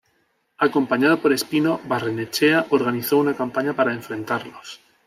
Acompañado por Espino, Barrenechea organizó una campaña para enfrentarlos.